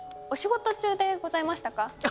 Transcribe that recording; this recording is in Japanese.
お仕事中でございましたか？